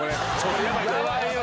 怖いよ！